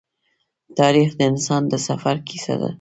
تاریخ د انسان د سفر کیسه ده.